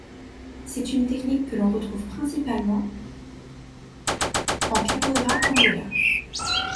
C'est une technique que l'on retrouve principalement en Capoeira Angola.